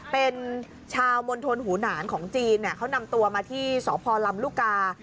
เป็นชาวมณฑลหูหนานของจีนเขานำตัวมาที่สพลำลูกกา